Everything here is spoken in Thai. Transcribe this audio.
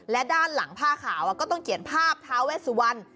และด้านหลังผ้าขาวก็ต้องเขียนภาพท้าเวสวรรณ